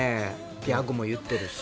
ギャグも言ってるし。